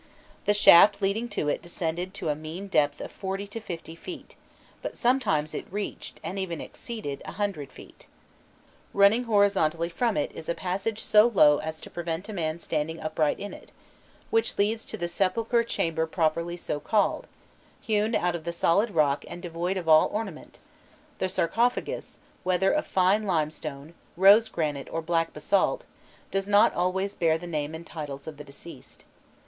The shaft leading to it descended to a mean depth of forty to fifty feet, but sometimes it reached, and even exceeded, a hundred feet. Running horizontally from it is a passage so low as to prevent a man standing upright in it, which leads to the sepulchral chamber properly so called, hewn out of the solid rock and devoid of all ornament; the sarcophagus, whether of fine limestone, rose granite, or black basalt, does not always bear the name and titles of the deceased.